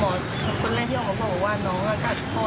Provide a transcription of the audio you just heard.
เพื่อนน้องไม่ได้สายเสริมในปกติทุกอย่าง